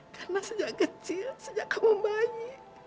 karena sejak kecil sejak kamu bayi